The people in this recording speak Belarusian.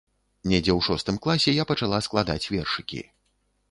Недзе ў шостым класе я пачала складаць вершыкі.